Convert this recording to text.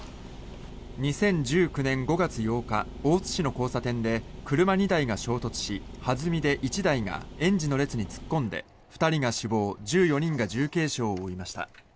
２０１９年５月８日大津市の交差点で車２台が衝突し弾みで１台が園児の列に突っ込んで２人が死亡１４人が重軽傷を負いました。